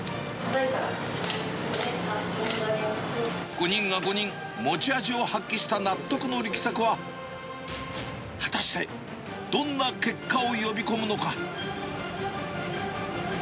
５人が５人、持ち味を発揮した納得の力作は、果たして、どんな結果を呼び込むのか。